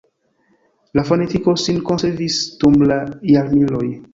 La fonetiko sin konservis dum la jarmiloj.